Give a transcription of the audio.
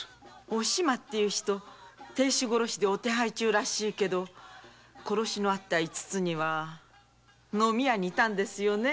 おしまっていう人亭主殺しでお手配中らしいけど殺しのあった五つには飲み屋にいたんですよね